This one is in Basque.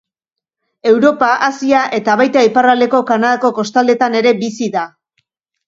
Europa, Asia eta, baita iparraldeko Kanadako kostaldetan ere, bizi da.